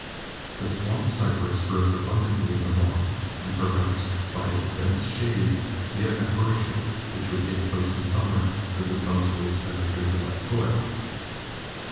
The swamp cypress grows abundantly in the bog, and prevents, by its dense shade, the evaporation which would take place in summer could the sun's rays penetrate to the wet soil.